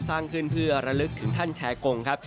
สร้างขึ้นเพื่อระลึกถึงท่านแชร์กงครับ